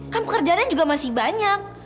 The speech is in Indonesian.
kan pekerjaannya juga masih banyak